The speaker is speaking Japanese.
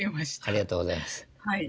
ありがとうございます。